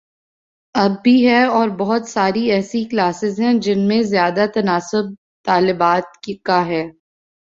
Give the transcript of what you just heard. اب بھی ہے اور بہت ساری ایسی کلاسز ہیں جن میں زیادہ تناسب طالبات کا ہے۔